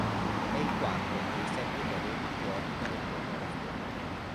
È il quarto dei sette pianeti che orbitano intorno alla stella.